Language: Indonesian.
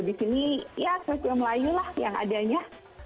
di sini ya stasiun melayu lah yang adanya